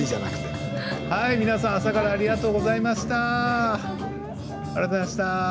皆さん、朝からありがとうございました。